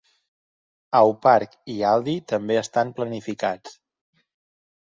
Aupark i Aldi també estan planificats.